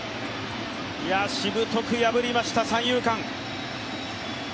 しぶとく破りました、三遊間。